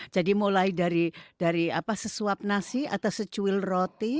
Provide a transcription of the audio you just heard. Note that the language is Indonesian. jadi mulai dari sesuap nasi atau secuil roti